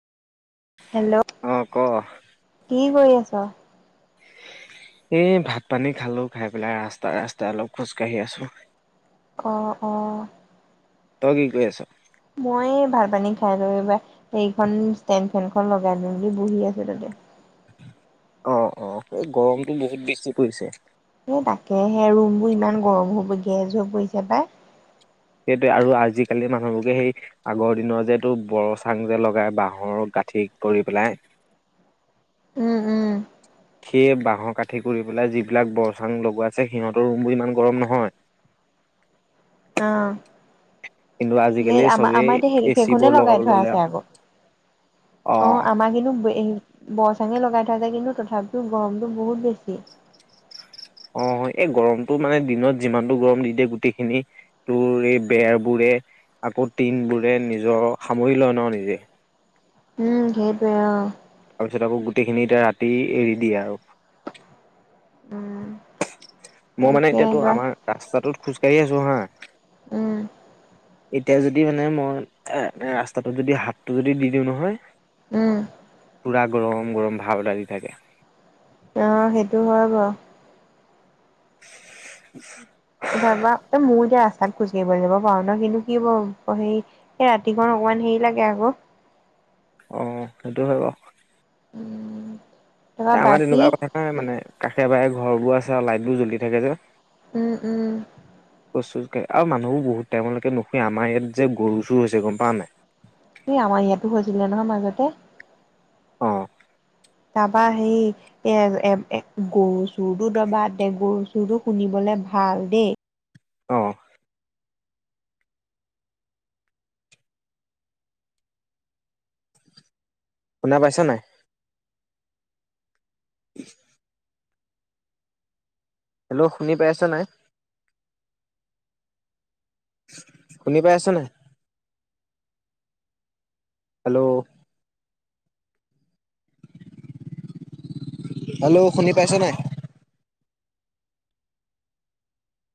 Hello অ ক কি কৰি আছ? এই ভাত পানী খালো খাই পেলাই ৰাস্তা ৰাস্তাই অলপ খোজ কাঢ়ি আছো। অ অ। তই কি কৰি আছ? মই ভাল পানী খাই লৈ হেখন ষ্টেন ফেনখন লগাই লৈ এনে বহি আছো তাতে। [unintelligible] অ অ সেই গৰমতটো বহুত বেছি পৰিছে। এ তাকে সে ৰুমবোৰ ইমান গৰম হবগে গেছ হৈ পৰিছে পাই। সেইটোৱে আৰু আজিকালি মানুহবোৰে সেই আগৰ দিনৰ যে এইটো বৰ চাং যে লগাই বাঁহৰ গা গাঠি কৰি পেলাই [inaudible] উম সেয়ে বাঁহৰ কাঠি কৰি পেলাই যিবিলাক বৰচাং লগোৱা আছে সিহঁতৰ ৰুমবোৰ ইমান গৰম নহয়। অ', কিন্তু আজিকালি সেই চবেই আমাৰ-আমাৰ এতিয়া সেই এ চি সেইখনে বোৰ লগাব লগাই থোৱা ললে আছে আৰু আগৌ। অ অ, আমাৰ কিন্তু বে বৰ চাঙে লগাই থোৱা যায় কিন্তু তথাপিও গৰমটো বহুত বেছি। অ, এই গৰমতমটো মানে দিনত যিমানটো গৰম দি দিয়ে গোটেইখিনি তোৰ এই বেৰবোৰে আকৌ টিনবোৰে নিজৰ সামৰি লয় ন' নিজে। উম, সেইটোৱে আও। তাৰপিছত আকৌ গোটেইখিনি এতিয়া ৰাতি এৰি দিয়ে আৰু। উম, মই মানে তাকে এতিয়াতো আমাৰ ৰাস্তাটোত খোজকাাঢ়ি আছো হা উম, এতিয়া যদি মানে মই এ [unintelligible] ৰাস্তাটোত যদি হাতটো যদি দি দিওঁ নহয় উম, পুৰা গৰম-গৰম ভাব এটা আহি থাকে। অ, সেইটো হয় বাৰু। [unintelligible] এ তাৰপা এ মোৰ এতিয়া ৰাস্তাত খোজকাঢ়িবলৈ যাব পাৰো ন' কিন্তু কি হব সেই এই ৰাতিকন অকমান হেৰি লাগে আকৌ। অ, সেইটো হয় বাৰু। উম, তাৰপৰা আমাৰ বাকী তেনেকুৱা কথা নাই মানে কাষে বাহে ঘৰ বোৰ আছে আৰু লাইট বোৰ জ্বলি থাকে যে। উম-উম। কচু আৰু মানুহো বহুত টাইমলৈকেুে আমাৰ ইয়াত যে গৰু চৰু হৈছে গম পাৱ নাই। এই আমাৰ ইয়াতো হৈছিলে নহয় মাজতে। অ', তাৰপা সেই এ এ এ গৰু চুৰটো এতিয়া বাদদে, গৰু চুৰটো শুনিবলৈ ভাল দেই। অহ। শুনা পাইছা নাই? [inaudible] হেল্ল' শুনি পাইছা নাই? শুনি পাই আছনে? হেল্ল', হেল্ল', শুনি পাইছনে?